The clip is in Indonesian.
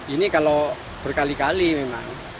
ini kalau berkali kali memang